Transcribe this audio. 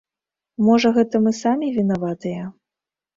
Можа, гэта мы самі вінаватыя?